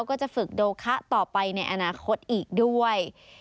ก็จะฝึกโดคะต่อไปในอนาคตอีกด้วย